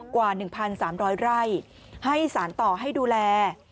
กว่า๑๓๐๐ไร่ให้สารต่อให้ดูแล